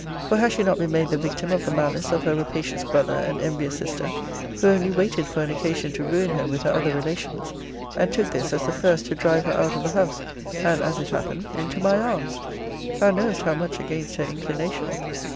For has she not been made the victim of the malice of her rapacious brother and envious sister, who only waited for an occasion to ruin her with her other relations; and took this as the first to drive her out of the house; and, as it happened, into my arms? Thou knowest how much against her inclination.